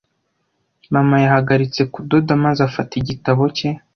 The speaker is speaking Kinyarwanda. Mama yahagaritse kudoda maze afata igitabo cye.